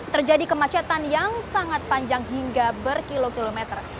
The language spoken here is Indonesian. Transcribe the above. terjadi kemacetan yang sangat panjang hingga berkilo kilometer